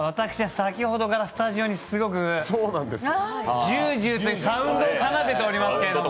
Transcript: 先ほどからスタジオにすごくジュージューというサウンドを奏でておりますけども。